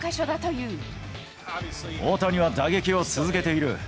大谷は打撃を続けている。